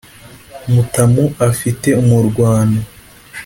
mutamu afite umurwano.